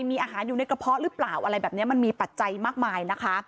มีอาหารอยู่ในกระเพาะหรือเปล่าอะไรแบบนี้มันมีปัจจัยมากมายนะคะ